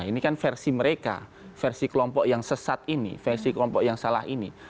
ini kan versi mereka versi kelompok yang sesat ini versi kelompok yang salah ini